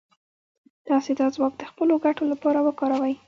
تاسې دا ځواک د خپلو ګټو لپاره وکاروئ.